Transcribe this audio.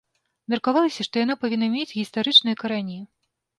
Меркавалася, што яна павінна мець гістарычныя карані.